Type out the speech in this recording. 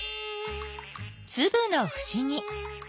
つぶのふしぎ。